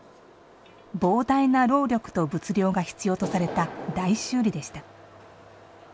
膨大な労力と物量が必要とされた大修理でした。